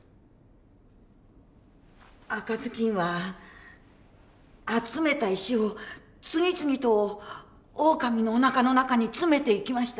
赤ずきんは集めた石を次々とオオカミのおなかの中に詰めていきました。